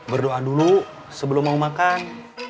berdoa dulu sebelum mau makan